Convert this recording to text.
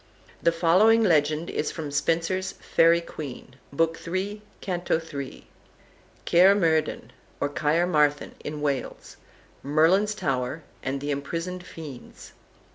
The following legend is from Spenser's "Faery Queene," Book III., Canto iii.: CAER MERDIN, OR CAERMARTHEN (IN WALES), MERLIN'S TOWER, AND THE IMPRISONED FIENDS.